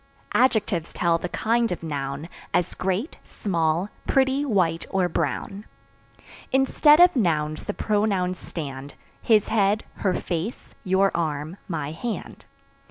Adjectives tell the kind of noun, As great, small, pretty, white, or brown. Instead of Nouns the Pronouns stand His head, her face, your arm, my hand.